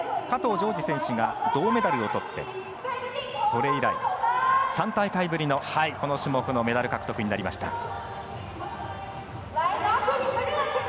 加藤条治選手が銅メダルをとって、それ以来３大会ぶりのこの種目のメダル獲得になりました。